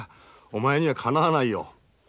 お前にはかなわないよ」。